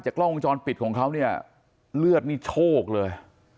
กล้องวงจรปิดของเขาเนี่ยเลือดนี่โชคเลย